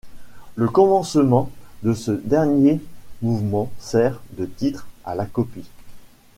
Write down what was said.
Le commencement de ce dernier mouvement sert de titre à la copie.